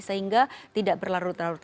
sehingga tidak berlarut larut